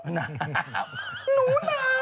หนาว